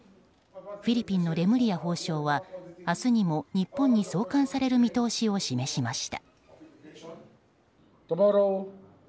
フィリピンのレムリヤ法相は明日にも日本に送還される見通しを示しました。